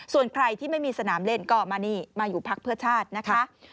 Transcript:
ส่วนใครที่ไม่มีสนามเล่นก็มานี่มาอยู่พักเพื่อชาตินะคะ